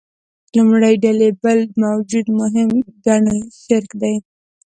لومړۍ ډلې بل موجود مهم ګڼل شرک دی.